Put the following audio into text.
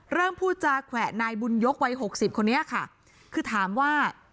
พูดจาแขวะนายบุญยกวัยหกสิบคนนี้ค่ะคือถามว่า